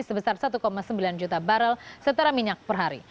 sebesar satu sembilan juta barrel setara minyak per hari